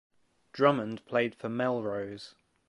Drummond played for Melrose.